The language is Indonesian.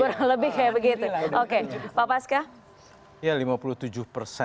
kurang lebih kayak begitu oke pak paska